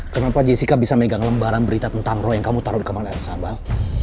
kenapa jessica bisa megang lembaran berita tentang roy yang kamu taruh di kamar lsa bang